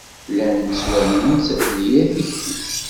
Llan ttwalin-tt d yir tikti.